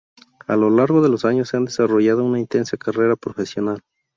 A lo largo de los años ha desarrollado una intensa carrera profesional.